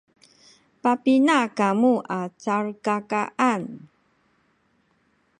papina kamu a calkakaan?